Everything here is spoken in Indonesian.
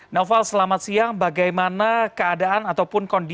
naufal selamat siang bagaimana keadaan ataupun kontroversi